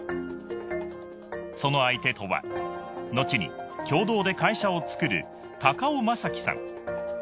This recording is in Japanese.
その相手とはのちに共同で会社を作る尾正樹さん